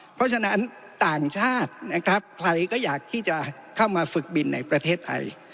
เพราะฉะนั้นต่างชาตินะครับใครก็อยากที่จะเข้ามาฝึกบินในประเทศไทย